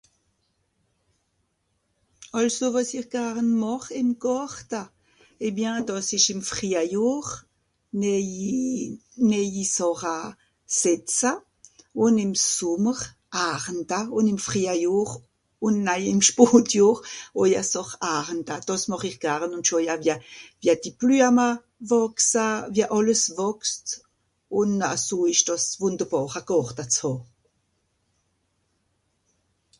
àlso wàs ir garn màch im goarte et bien dàss esch ìm freijjohr neiji neiji socha setza ùn ìm sommer arnda ùn ìm freijjohr ùn na ìm spàtjohr .... arnda dàss màch ir garn .... wia die blüeme wàchse wie àlles wàchst ùn a so esch dàss wùnderbàra gàrte s'hà